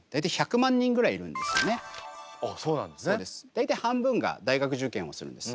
大体半分が大学受験をするんです。